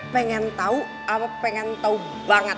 pengen tahu apa pengen tau banget